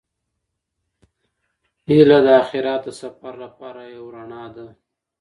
هیله د اخیرت د سفر لپاره یو رڼا ده.